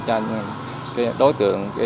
cho đối tượng